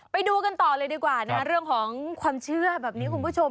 ไปดูกันต่อเลยดีกว่านะเรื่องของความเชื่อแบบนี้คุณผู้ชม